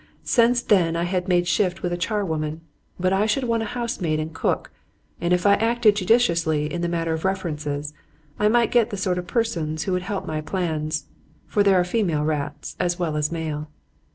Since then I had made shift with a charwoman. But I should want a housemaid and a cook, and if I acted judiciously in the matter of references, I might get the sort of persons who would help my plans. For there are female rats as well as male.